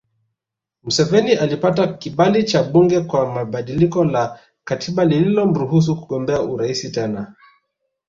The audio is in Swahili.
Museveni alipata kibali cha bunge kwa badiliko la katiba lililomruhusu kugombea urais tena